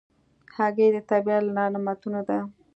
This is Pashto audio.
هګۍ د طبیعت له نعمتونو ده.